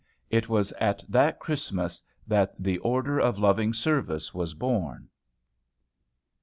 It was at that Christmas that the "ORDER OF LOVING SERVICE" was born.